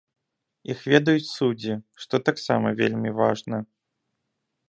Іх ведаюць суддзі, што таксама вельмі важна.